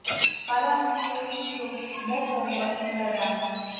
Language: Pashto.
قلم د ښو ښوونیزو موخو وسیله ده